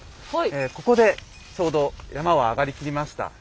ここでちょうど山は上がりきりました。